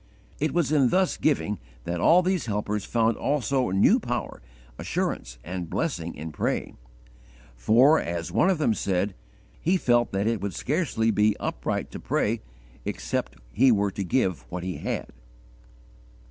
It was in thus giving that all these helpers found also new power, assurance, and blessing in praying; for, as one of them said, he felt that it would scarcely be _"upright to pray, except he were to give what he had."